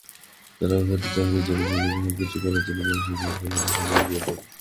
আপনার কাঙ্ক্ষিত চাকরির জন্য প্রয়োজনে সবকিছু করার মানসিকতা আপনাকে অনেকখানি এগিয়ে দেবে।